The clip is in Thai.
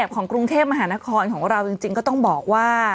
ของกรุงเทพมหานครของเราจริงก็ต้องบอกว่า